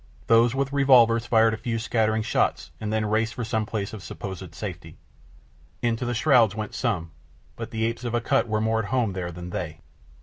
Those with revolvers fired a few scattering shots and then raced for some place of supposed safety. Into the shrouds went some; but the apes of Akut were more at home there than they.